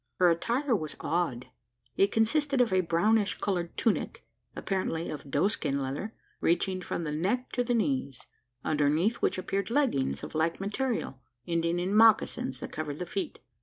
Her attire was odd. It consisted of a brownish coloured tunic apparently of doeskin leather reaching from the neck to the knees; underneath which appeared leggings of like material, ending in mocassins that covered the feet.